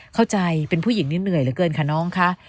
เข้าใจเป็นผู้หญิงนี่เหนื่อยเหลือเกินค่ะน้องคะ